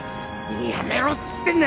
やめろつってんだ。